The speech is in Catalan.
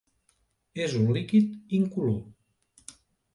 És un líquid incolor.